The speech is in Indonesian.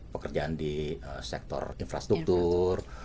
pekerjaan di sektor infrastruktur